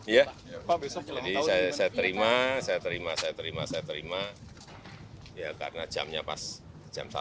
ya jadi saya terima saya terima saya terima saya terima ya karena jamnya pas jam satu